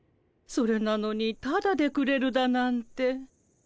それなのにタダでくれるだなんて。